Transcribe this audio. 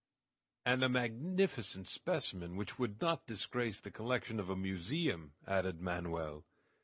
"And a magnificent specimen which would not disgrace the collection of a museum!" added Manoel.